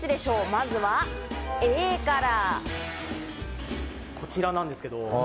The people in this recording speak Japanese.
まずはＡから。